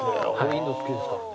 インド好きですからね。